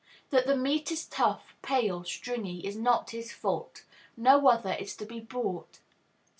That the meat is tough, pale, stringy is not his fault; no other is to be bought.